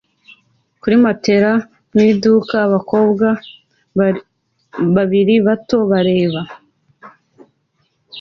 kuri matelas mu iduka abakobwa babiri bato bareba